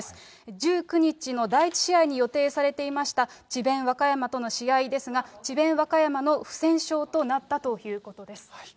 １９日の第１試合に予定されていました智辯和歌山との試合ですが、智辯和歌山の不戦勝となったということです。